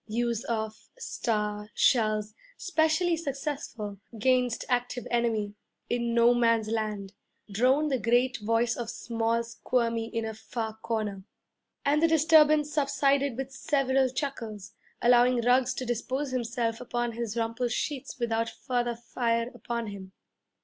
'Use of star shells specially successful 'gainst active enemy in No Man's Land,' droned the great voice of small Squirmy in a far corner. And the disturbance subsided with several chuckles, allowing Ruggs to dispose himself upon his rumpled sheets without further fire upon him.